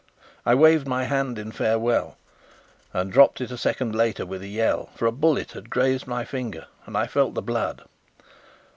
I waved my hand in farewell, and dropped it a second later with a yell, for a bullet had grazed my finger and I felt the blood.